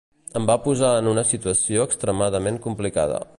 Em va posar en una situació extremadament complicada.